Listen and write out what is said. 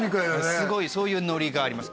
すごいそういうノリがあります